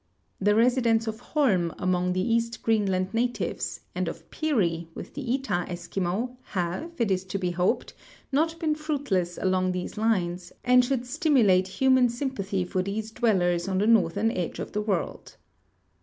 The residence of Holm among the east Greenland natives and of Peart' with the Etah Eskimo have, it is to be hoi)ed, not been fruitless along these lines and should stimulate human sympathy for these dwellers on the northern edge of the world.